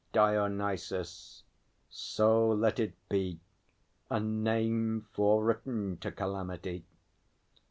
DIONYSUS. So let it be, A name fore written to calamity!